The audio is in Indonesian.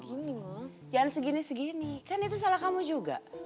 gini jangan segini segini kan itu salah kamu juga